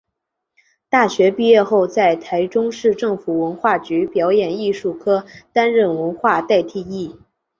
大学毕业后在台中市政府文化局表演艺术科担任文化替代役。